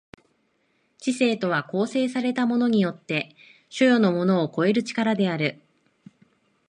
知性とは構成されたものによって所与のものを超える力である。